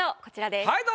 こちらです。